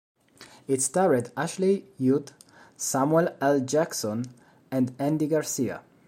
It starred Ashley Judd, Samuel L. Jackson and Andy Garcia.